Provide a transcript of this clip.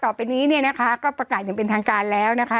ต่อไปนี้เนี่ยนะคะก็ประกาศอย่างเป็นทางการแล้วนะคะ